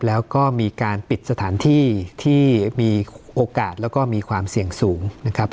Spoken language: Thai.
แล้วก็มีการปิดสถานที่ที่มีโอกาสแล้วก็มีความเสี่ยงสูงนะครับ